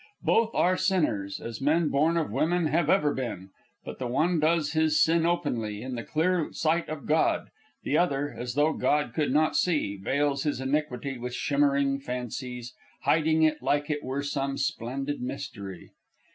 Both are sinners, as men born of women have ever been; but the one does his sin openly, in the clear sight of God; the other as though God could not see veils his iniquity with shimmering fancies, hiding it like it were some splendid mystery.